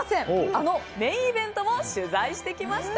あのメインイベントも取材してきました。